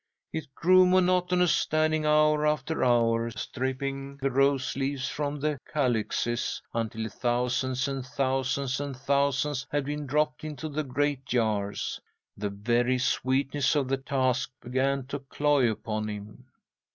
It grew monotonous, standing hour after hour, stripping the rose leaves from the calyxes until thousands and thousands and thousands had been dropped into the great jars. The very sweetness of the task began to cloy upon him.